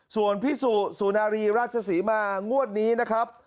ส่วนพี่สุสุนารีราชศรีมางวดนี้นะครับ